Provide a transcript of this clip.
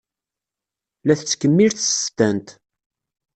La tettkemmil tsestant.